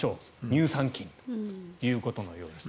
乳酸菌ということのようです。